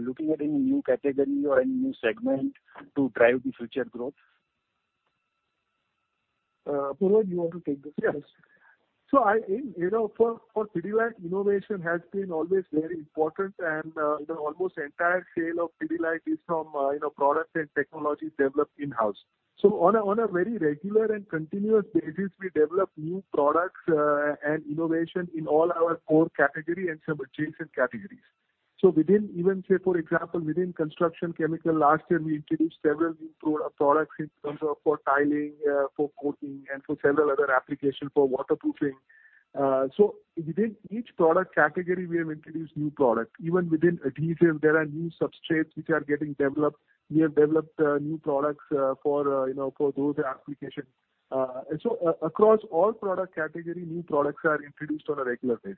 looking at any new category or any new segment to drive the future growth? Apurva, do you want to take this? Yes. For Pidilite, innovation has been always very important, and almost the entire sale of Pidilite is from products and technologies developed in-house. On a very regular and continuous basis, we develop new products and innovation in all our core categories and some adjacent categories. Within, even say, for example, within construction chemical, last year we introduced several new products in terms of for tiling, for coating, and for several other applications for waterproofing. Within each product category, we have introduced new products. Even within adhesives, there are new substrates which are getting developed. We have developed new products for those applications. Across all product categories, new products are introduced on a regular basis.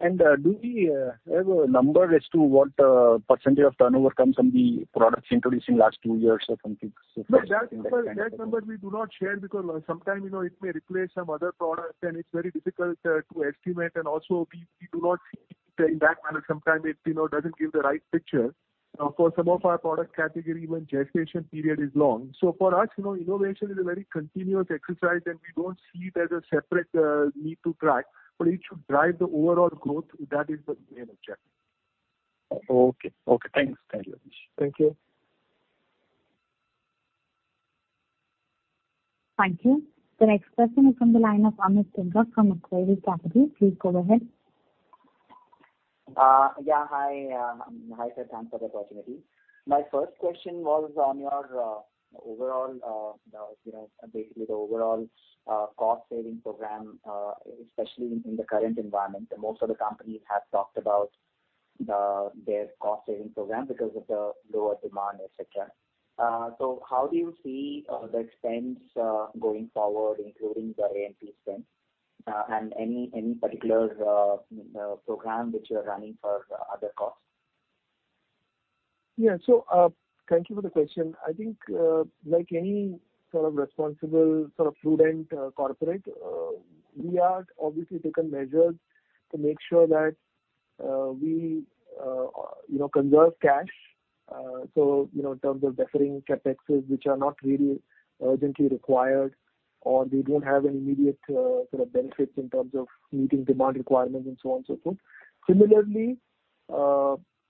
Do we have a number as to what % of turnover comes from the products introduced in the last two years or something? No, that number we do not share because sometimes it may replace some other products and it is very difficult to estimate, and also we do not see it in that manner. Sometimes it doesn't give the right picture. For some of our product categories, even the gestation period is long. For us, innovation is a very continuous exercise and we don't see it as a separate need to track. It should drive the overall growth. That is the main objective. Okay. Thanks. Thank you. Thank you. Thank you. The next question is from the line of Amit Tandon from Aquarius Capital. Please go ahead. Yeah. Hi, sir. Thanks for the opportunity. My first question was on basically the overall cost-saving program, especially in the current environment. Most of the companies have talked about their cost-saving program because of the lower demand, et cetera. How do you see the expense going forward, including the A&P expense and any particular program which you are running for other costs? Yeah. Thank you for the question. I think like any sort of responsible, sort of prudent corporate, we have obviously taken measures to make sure that we conserve cash. In terms of deferring CapEx, which are not really urgently required, or they don't have any immediate sort of benefits in terms of meeting demand requirements and so on and so forth. Similarly,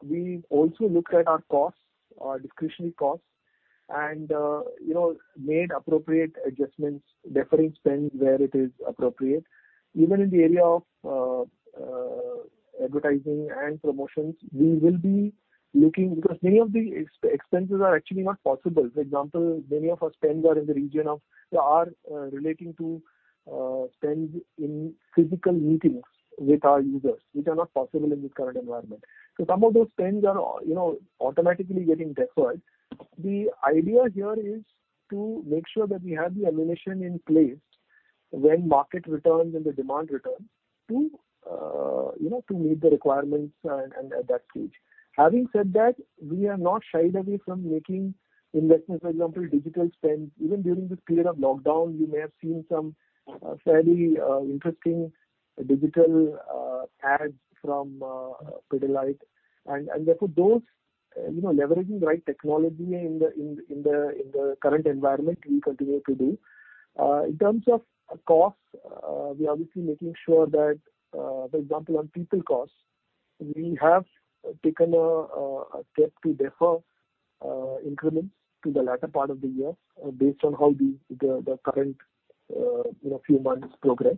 we also looked at our costs, our discretionary costs and made appropriate adjustments, deferring spend where it is appropriate. Even in the area of advertising and promotions, we will be looking, because many of the expenses are actually not possible. For example, many of our spends are relating to spends in physical meetings with our users, which are not possible in this current environment. Some of those spends are automatically getting deferred. The idea here is to make sure that we have the ammunition in place when market returns and the demand returns to meet the requirements at that stage. Having said that, we have not shied away from making investments. For example, digital spends. Even during this period of lockdown, you may have seen some fairly interesting digital ads from Pidilite, and therefore those, leveraging the right technology in the current environment, we continue to do. In terms of cost, we're obviously making sure that, for example, on people costs, we have taken a step to defer increments to the latter part of the year based on how the current few months progress.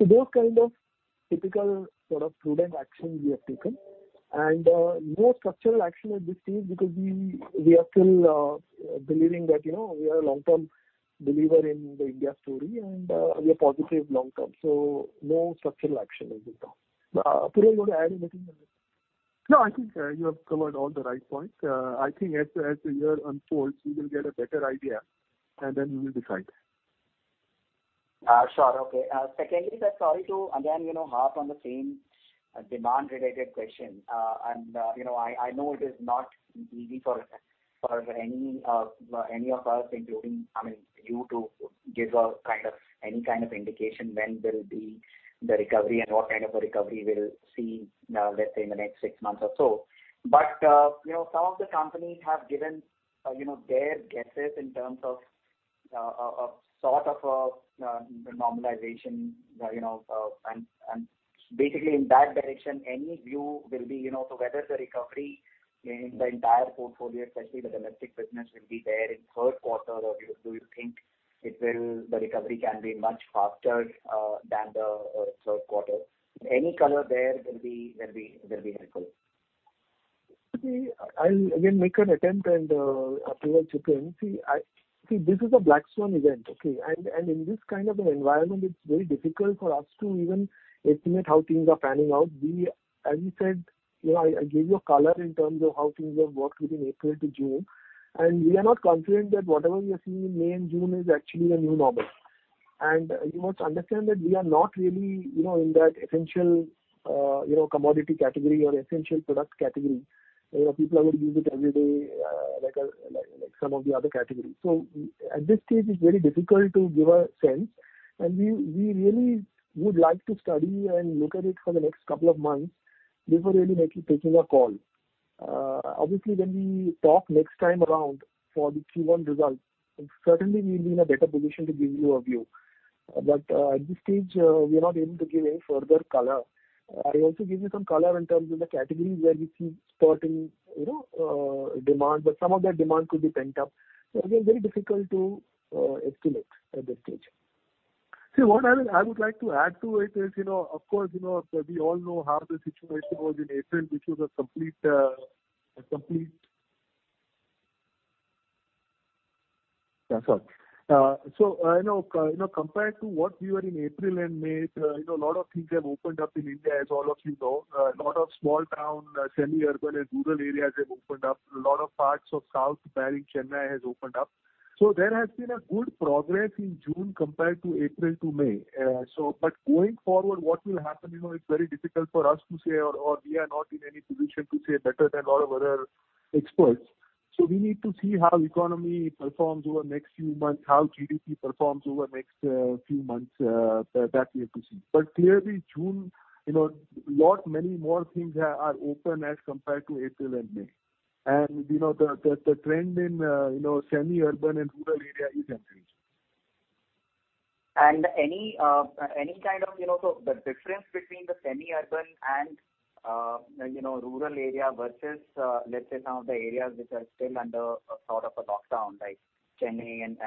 Those kind of typical sort of prudent actions we have taken. No structural action at this stage because we are still believing that we are a long-term believer in the India story and we are positive long term. No structural action as of now. Apurva, you want to add anything on this? I think you have covered all the right points. I think as the year unfolds, we will get a better idea and then we will decide. Sure. Okay. Secondly, sir, sorry to again harp on the same demand-related question. I know it is not easy for any of us, including you, to give any kind of indication when there will be the recovery and what kind of a recovery we will see, let's say in the next six months or so. Some of the companies have given their guesses in terms of a sort of a normalization, and basically in that direction, any view will be, so whether the recovery in the entire portfolio, especially the domestic business, will be there in the third quarter or do you think the recovery can be much faster than the third quarter? Any color there will be helpful. I'll again make an attempt and Apurva chip in. This is a black swan event, okay? In this kind of an environment, it's very difficult for us to even estimate how things are panning out. As we said, I gave you a color in terms of how things have worked within April to June, and we are not confident that whatever we are seeing in May and June is actually a new normal. You must understand that we are not really in that essential commodity category or essential product category. People are going to use it every day like some of the other categories. At this stage, it's very difficult to give a sense, and we really would like to study and look at it for the next couple of months before really taking a call. When we talk next time around for the Q1 results, certainly we will be in a better position to give you a view. At this stage, we are not able to give any further color. I also gave you some color in terms of the categories where we see spotting demand, but some of that demand could be pent up. Again, very difficult to estimate at this stage. What I would like to add to it is, of course we all know how the situation was in April, which was a complete. Compared to what we were in April and May, a lot of things have opened up in India, as all of you know. A lot of small town, semi-urban and rural areas have opened up. A lot of parts of South, barring Chennai has opened up. There has been a good progress in June compared to April to May. Going forward, what will happen, it is very difficult for us to say or we are not in any position to say better than a lot of other experts. We need to see how the economy performs over the next few months, how GDP performs over the next few months. That we have to see. Clearly June, lot many more things are open as compared to April and May. The trend in semi-urban and rural area is increasing. Any kind of the difference between the semi-urban and rural area versus, let's say some of the areas which are still under a sort of a lockdown, like Chennai and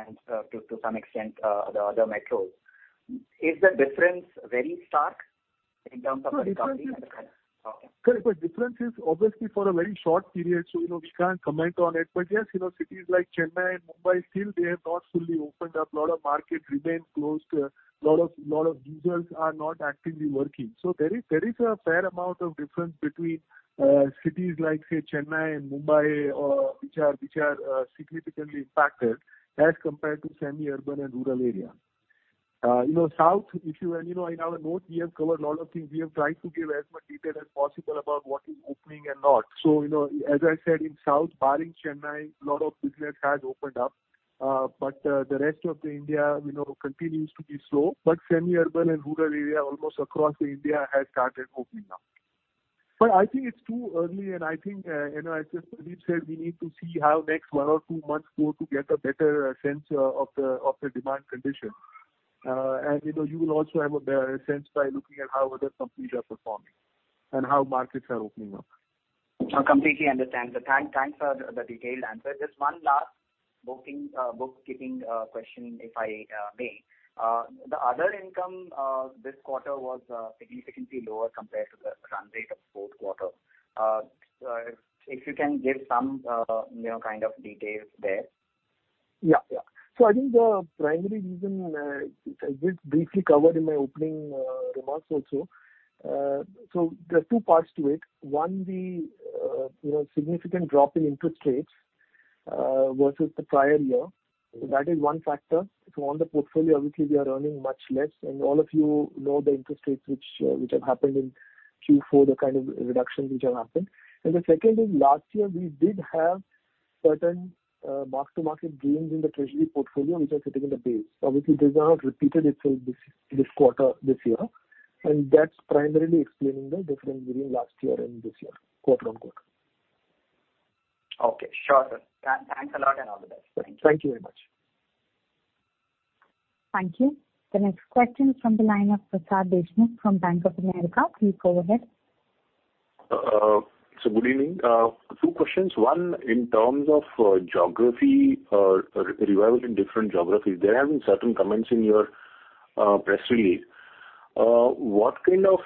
to some extent, the other metros. Is the difference very stark in terms of the recovery at the moment? Correct. Difference is obviously for a very short period, so we can't comment on it. Yes, cities like Chennai and Mumbai still they have not fully opened up. A lot of markets remain closed. A lot of users are not actively working. There is a fair amount of difference between cities like, say, Chennai and Mumbai which are significantly impacted as compared to semi-urban and rural area. In our note, we have covered a lot of things. We have tried to give as much detail as possible about what is opening and not. As I said, in South, barring Chennai, a lot of business has opened up. The rest of India continues to be slow. Semi-urban and rural area almost across India has started opening up. I think it's too early and I think as Pradip said, we need to see how the next one or two months go to get a better sense of the demand condition. You will also have a sense by looking at how other companies are performing and how markets are opening up. I completely understand. Thanks for the detailed answer. Just one last bookkeeping question, if I may. The other income this quarter was significantly lower compared to the run rate of fourth quarter. If you can give some kind of details there. I think the primary reason, I did briefly cover in my opening remarks also. There are two parts to it. One, the significant drop in interest rates versus the prior year. That is one factor. On the portfolio, obviously, we are earning much less, and all of you know the interest rates which have happened in Q4, the kind of reductions which have happened. The second is last year, we did have certain mark-to-market gains in the treasury portfolio which are sitting in the base. Obviously, this has not repeated itself this quarter, this year. That's primarily explaining the difference between last year and this year, quarter on quarter. Sure, sir. Thanks a lot. All the best. Thank you very much. Thank you. The next question is from the line of Prasad Deshmukh from Bank of America. Please go ahead. Good evening. Two questions. One in terms of geography, revival in different geographies. There have been certain comments in your press release. What kind of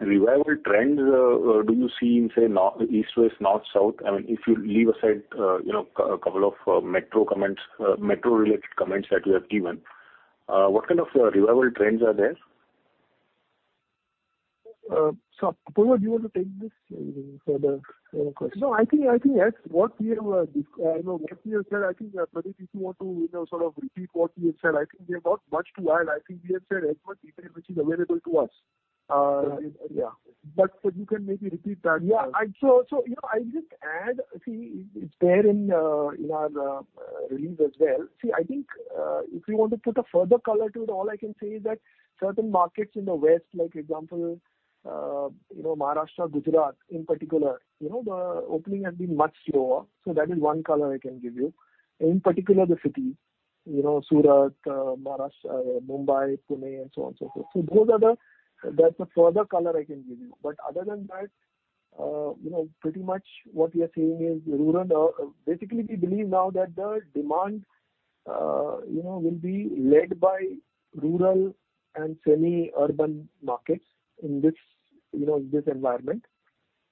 revival trends do you see in, say, east, west, north, south? I mean, if you leave aside a couple of metro-related comments that you have given, what kind of revival trends are there? Apurva, do you want to take this question? I think what we have said, I think, Pradip, if you want to sort of repeat what we have said. I think we have not much to add. I think we have said as much detail which is available to us. Yeah. You can maybe repeat that. I'll just add. It's there in our release as well. I think if we want to put a further color to it, all I can say is that certain markets in the west, like example Maharashtra, Gujarat in particular, the opening has been much slower. That is one color I can give you. In particular the cities. Surat, Mumbai, Pune, and so on, so forth. That's a further color I can give you. Other than that pretty much what we are seeing is rural. Basically, we believe now that the demand will be led by rural and semi-urban markets in this environment.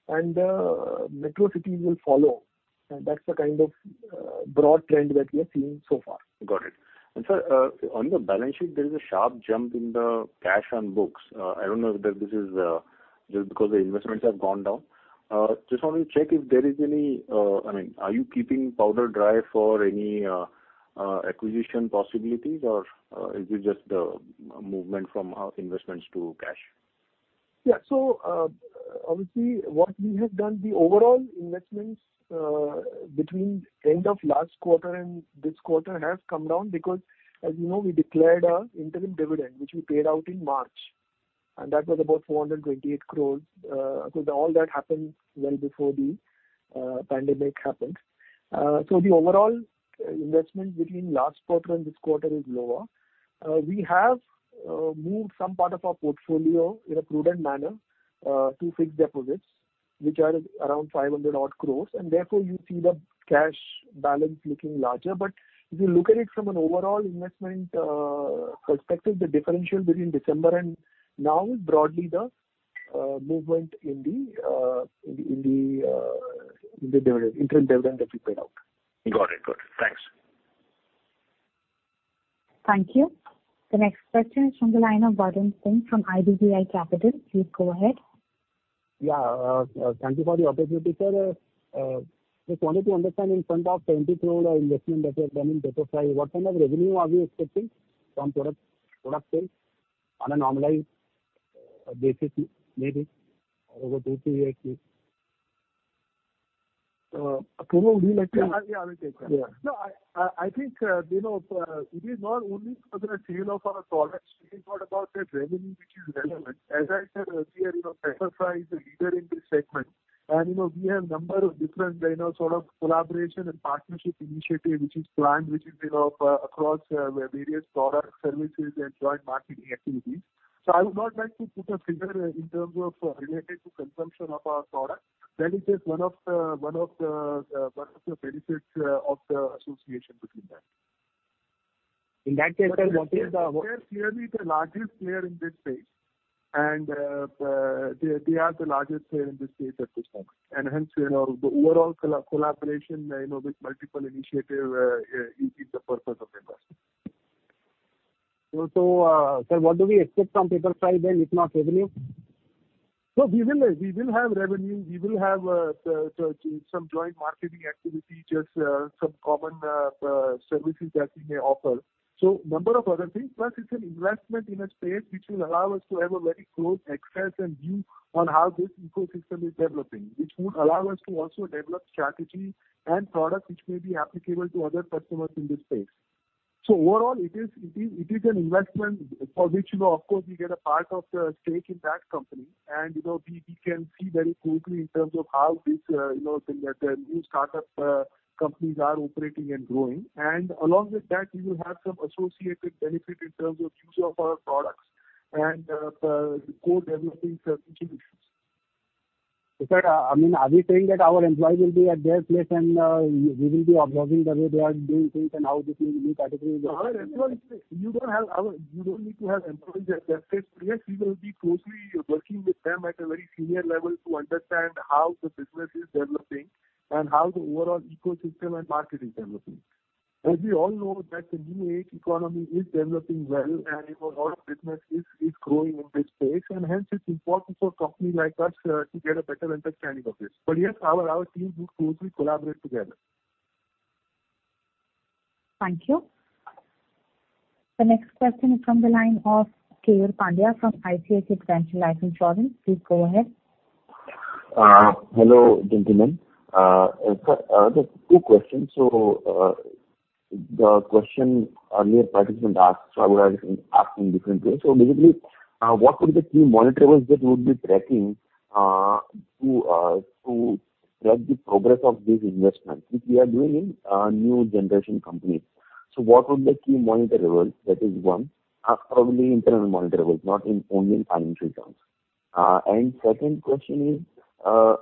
Metro cities will follow. That's the kind of broad trend that we are seeing so far. Got it. Sir, on your balance sheet, there is a sharp jump in the cash on books. I don't know if this is just because the investments have gone down. Just wanted to check if there is any, I mean, are you keeping powder dry for any acquisition possibilities, or is it just the movement from investments to cash? Obviously, what we have done, the overall investments between end of last quarter and this quarter have come down because, as you know, we declared our interim dividend, which we paid out in March, and that was about 428 crores. Of course, all that happened well before the pandemic happened. The overall investment between last quarter and this quarter is lower. We have moved some part of our portfolio in a prudent manner to fixed deposits, which are around 500 odd crores, therefore you see the cash balance looking larger. If you look at it from an overall investment perspective, the differential between December and now is broadly the movement in the interim dividend that we paid out. Got it. Thanks. Thank you. The next question is from the line of Varun Singh from IDBI Capital. Please go ahead. Yeah, thank you for the opportunity, sir. Just wanted to understand in front of 20 crore investment that you have done in Pepperfry, what kind of revenue are you expecting from product sales on a normalized basis, maybe over two, three years? Apurva, would you like? Yeah, I will take that. Yeah. I think it is not only for the sale of our products. It is more about the revenue which is relevant. As I said earlier, Pepperfry is a leader in this segment. We have number of different sort of collaboration and partnership initiative which is planned, which is across various product services and joint marketing activities. I would not like to put a figure in terms of related to consumption of our product. That is just one of the benefits of the association between them. In that case, sir, what is the- They are clearly the largest player in this space, and they are the largest player in this space at this moment. Hence, the overall collaboration with multiple initiative is the purpose of investment. Sir, what do we expect from Pepperfry then, if not revenue? We will have revenue. We will have some joint marketing activity, just some common services that we may offer. Number of other things. Plus it's an investment in a space which will allow us to have a very close access and view on how this ecosystem is developing, which would allow us to also develop strategy and product which may be applicable to other customers in this space. Overall, it is an investment for which, of course, we get a part of the stake in that company. We can see very closely in terms of how this new startup companies are operating and growing. Along with that, we will have some associated benefit in terms of use of our products and co-developing certain solutions. Sir, are we saying that our employees will be at their place and we will be observing the way they are doing things and how this new category will develop? You don't need to have employees at their place. Yes, we will be closely working with them at a very senior level to understand how the business is developing and how the overall ecosystem and market is developing. We all know that the new age economy is developing well and a lot of business is growing in this space, and hence it's important for a company like us to get a better understanding of this. Yes, our teams would closely collaborate together. Thank you. The next question is from the line of Keyur Pandya from ICICI Prudential Life Insurance. Please go ahead. Hello, gentlemen. Sir, just two questions. The question earlier participant asked, I would ask in different way. What would the key monitorables that we would be tracking to track the progress of these investments, which we are doing in new generation companies? What would be key monitorables? That is one. Probably internal monitorables, not in only financial terms. Second question is, as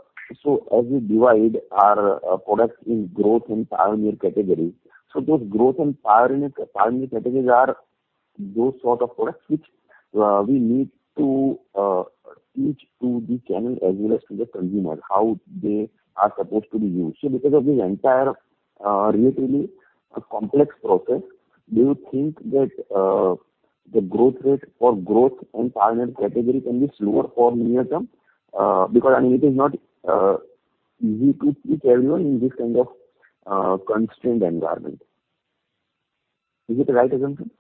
we divide our products in growth and pioneer categories, those growth and pioneer categories are those sort of products which we need to teach to the channel as well as to the consumer, how they are supposed to be used. Because of this entire relatively complex process, do you think that the growth rate for growth and pioneer category can be slower for near term? Because it is not easy to teach everyone in this kind of constrained environment. Is it the right assumption?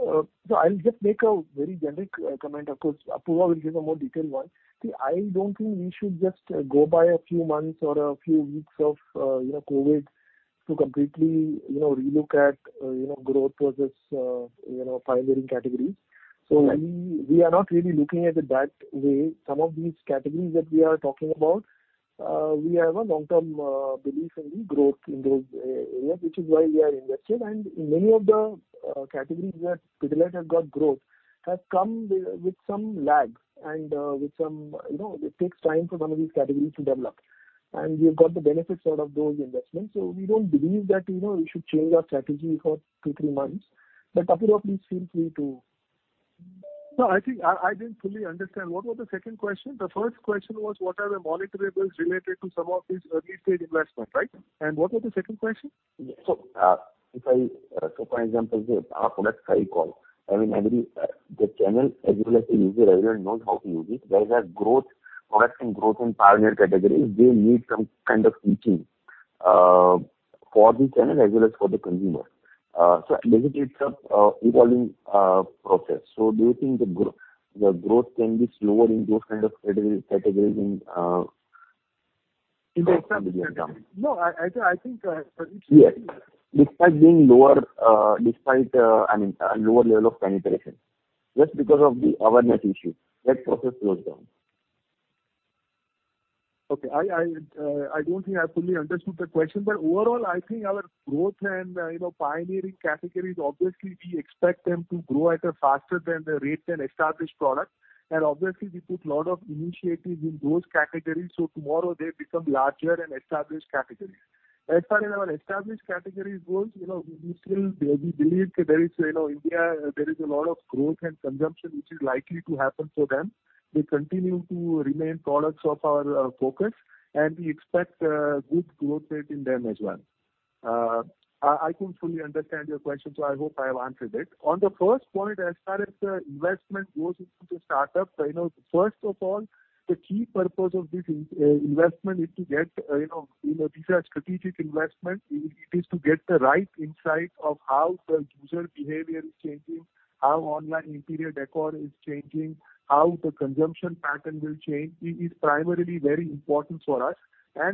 I'll just make a very generic comment. Of course, Apurva will give a more detailed one. See, I don't think we should just go by a few months or a few weeks of COVID to completely relook at growth versus pioneering categories. Right. We are not really looking at it that way. Some of these categories that we are talking about, we have a long-term belief in the growth in those areas, which is why we are invested. Many of the categories where Pidilite has got growth has come with some lag and it takes time for one of these categories to develop, and we've got the benefits out of those investments. We don't believe that we should change our strategy for two, three months. Apurva, please feel free to. No, I think I didn't fully understand. What was the second question? The first question was, what are the monitorables related to some of these early-stage investments, right? What was the second question? For example, as I recall, the channel as well as the user, everyone knows how to use it. Whereas growth products and growth in pioneer categories, they need some kind of teaching for the channel as well as for the consumer. Basically it's an evolving process. Do you think the growth can be slower in those kind of categories in- In the short term. growth in the near term? No, I think- Yes. Despite being lower, I mean, a lower level of penetration, just because of the awareness issue, that process slows down. Okay. I don't think I fully understood the question. Overall, I think our growth and pioneering categories, obviously, we expect them to grow at a faster than the rate than established products. Obviously, we put lot of initiatives in those categories, so tomorrow they become larger and established categories. As far as our established categories goes, we believe India, there is a lot of growth and consumption which is likely to happen for them. They continue to remain products of our focus. We expect good growth rate in them as well. I couldn't fully understand your question, so I hope I have answered it. On the first point, as far as investment goes into the startup, first of all, the key purpose of this investment is to get. These are strategic investments. It is to get the right insight of how the user behavior is changing, how online interior decor is changing, how the consumption pattern will change. It is primarily very important for us.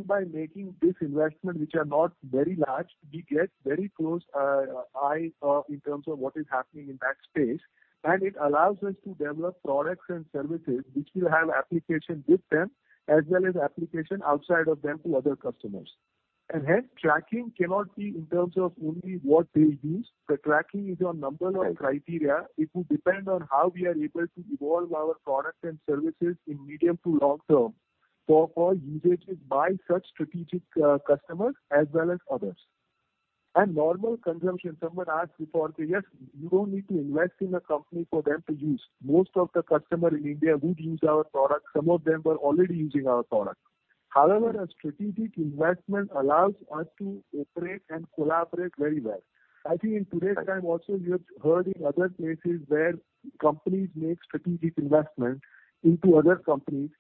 By making these investments, which are not very large, we get very close eye in terms of what is happening in that space. It allows us to develop products and services which will have application with them, as well as application outside of them to other customers. Hence, tracking cannot be in terms of only what they use. The tracking is on number of criteria. It will depend on how we are able to evolve our products and services in medium to long term for usages by such strategic customers as well as others. Normal consumption, someone asked before, yes, you don't need to invest in a company for them to use. Most of the customers in India would use our products. Some of them were already using our products. However, a strategic investment allows us to operate and collaborate very well. I think in today's time also, you've heard in other places where companies make strategic investments into other companies.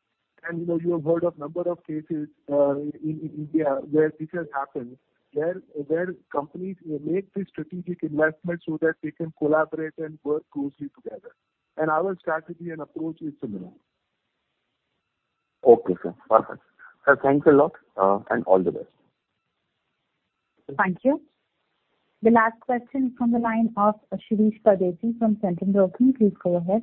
You have heard of number of cases in India where this has happened, where companies make this strategic investment so that they can collaborate and work closely together. Our strategy and approach is similar. Okay, sir. Perfect. Sir, thanks a lot, and all the best. Thank you. The last question is from the line of Shirish Pardeshi from Centrum Broking. Please go ahead.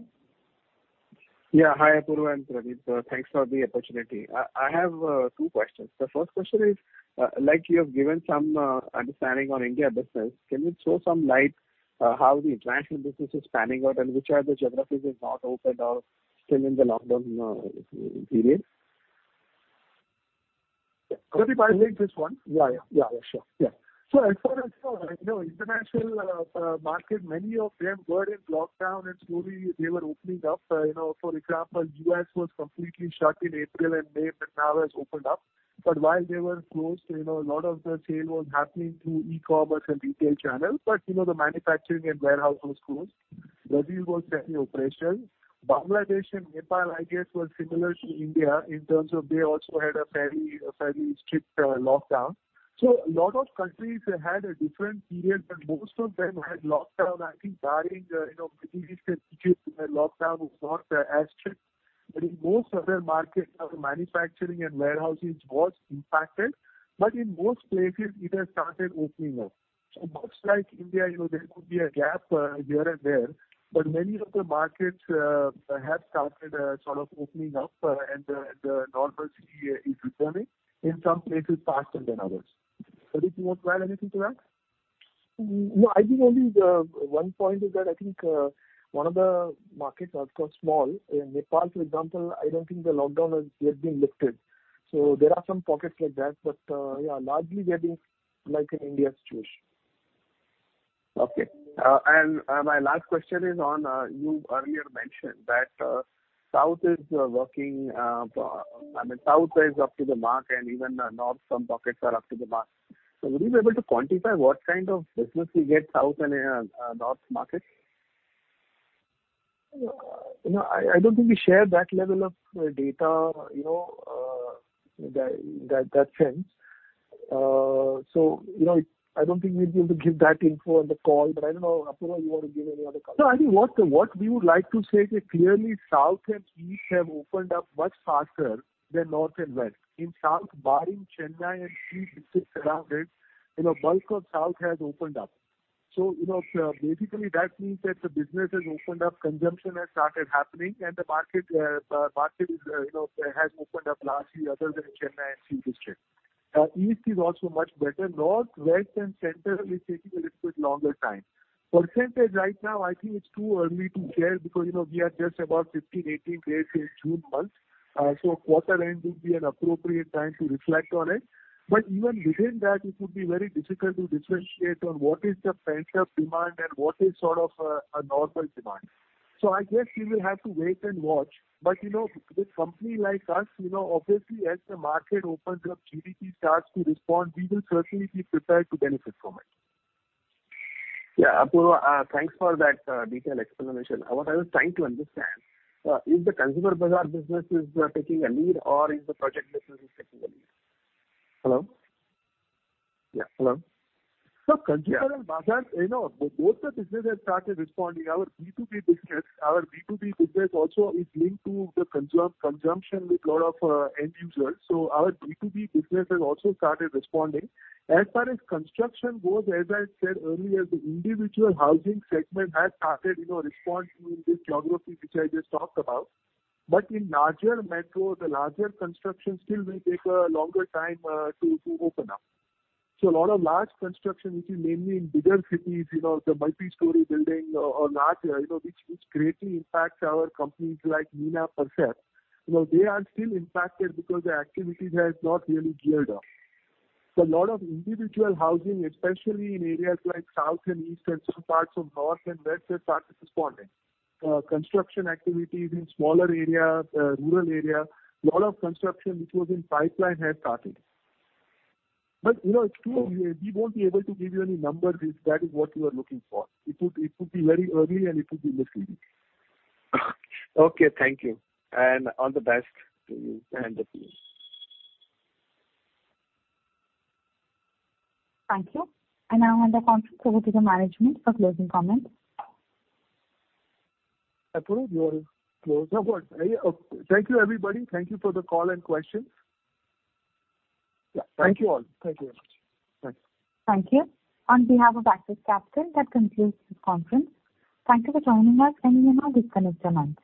Yeah. Hi, Apurva and Pradip. Thanks for the opportunity. I have two questions. The first question is, like you have given some understanding on India business, can you throw some light How the international business is panning out and which are the geographies that have not opened out still in the lockdown period? Pradip, I'll take this one. Yeah. Yeah, sure. As far as international market, many of them were in lockdown and slowly they were opening up. For example, U.S. was completely shut in April and May, now has opened up. While they were closed, a lot of the sale was happening through e-commerce and retail channels, but the manufacturing and warehouse was closed. Brazil was fairly operational. Bangladesh and Nepal, I guess, were similar to India in terms of they also had a fairly strict lockdown. A lot of countries had a different period, but most of them had lockdown. I think barring Middle East and Egypt, their lockdown was not as strict. In most other markets, our manufacturing and warehousing was impacted. In most places, it has started opening up. Much like India, there could be a gap here and there, but many of the markets have started opening up and the normalcy is returning, in some places faster than others. Pradip, you want to add anything to that? No, I think only one point is that I think one of the markets, of course small, in Nepal, for example, I don't think the lockdown has yet been lifted. There are some pockets like that, but largely they're being like an India situation. Okay. My last question is on, you earlier mentioned that South is working, South is up to the mark and even North some pockets are up to the mark. Would you be able to quantify what kind of business we get South and North markets? I don't think we share that level of data in that sense. I don't think we'll be able to give that info on the call, but I don't know, Apurva, you want to give any other comment? No, I think what we would like to say is that clearly South and East have opened up much faster than North and West. In South, barring Chennai and few districts around it, bulk of South has opened up. Basically that means that the business has opened up, consumption has started happening, and the market has opened up largely other than Chennai and few districts. East is also much better. North, West, and Central is taking a little bit longer time. Percentage right now, I think it's too early to share because we are just about 15, 18 days in June month. Quarter end will be an appropriate time to reflect on it. Even within that, it would be very difficult to differentiate on what is the pent-up demand and what is sort of a normal demand. I guess we will have to wait and watch. With company like us, obviously as the market opens up, GDP starts to respond, we will certainly be prepared to benefit from it. Apurva, thanks for that detailed explanation. What I was trying to understand, is the Consumer & Bazaar business is taking a lead or is the project business is taking a lead? Hello? Hello. Sir, Consumer & Bazaar, both the businesses started responding. Our B2B business also is linked to the consumption with lot of end users. Our B2B business has also started responding. As far as construction goes, as I said earlier, the individual housing segment has started responding in these geographies which I just talked about. In larger metros, the larger construction still will take a longer time to open up. A lot of large construction, which is mainly in bigger cities, the multi-story building or large, which greatly impacts our companies like Nina, Percept. They are still impacted because the activity has not really geared up. A lot of individual housing, especially in areas like South and East and some parts of North and West, have started responding. Construction activities in smaller areas, rural area, lot of construction which was in pipeline has started. It's too early. We won't be able to give you any numbers if that is what you are looking for. It would be very early, and it would be misleading. Okay, thank you. All the best to you and the team. Thank you. Now on the conference over to the management for closing comments. Apurva, do you want to close? No, go ahead. Thank you, everybody. Thank you for the call and questions. Yeah. Thank you all. Thank you very much. Thanks. Thank you. On behalf of Axis Capital, that concludes this conference. Thank you for joining us. You may now disconnect your lines.